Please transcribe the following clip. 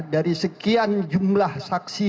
dari sekian jumlah saksi